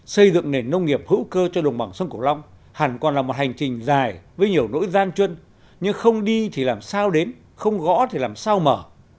xây dựng nền nông nghiệp hữu cơ cho đồng bằng sông cửu long hẳn còn là một hành trình dài với nhiều nỗi gian chuân nhưng không đi thì làm sao đến không gõ thì làm sao mở